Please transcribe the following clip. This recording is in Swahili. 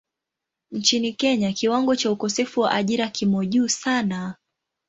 Nchini Kenya kiwango cha ukosefu wa ajira kimo juu sana.